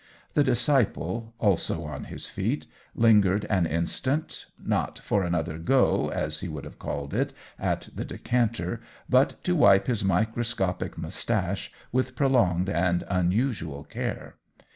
The disciple, also on his feet, lingered an instant, not for another " go," as he would have called it, at the decanter, but to wipe his microscopic mustache with prolonged and unusual care.